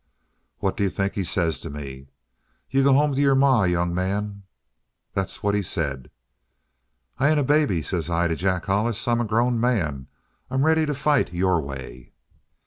"What do you think he says to me? 'You go home to your ma, young man!' "That's what he said. "'I ain't a baby,' says I to Jack Hollis. 'I'm a grown man. I'm ready to fight your way.'